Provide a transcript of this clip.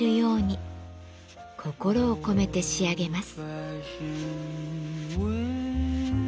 心を込めて仕上げます。